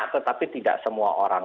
tetapi tidak semua orang